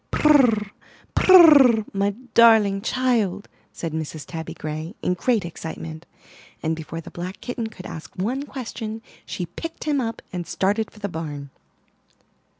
'Turr, purr, my darling child," said Mrs. Tabby Gray, in great excitement; and before the black kitten could ask one question she picked him up and started for the barn.